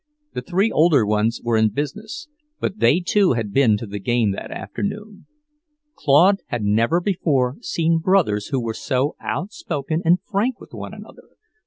The three older ones were in business, but they too had been to the game that afternoon. Claude had never before seen brothers who were so outspoken and frank with one another.